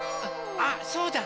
あっそうだ！